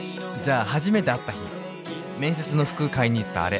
じゃあ初めて会った日面接の服買いに行った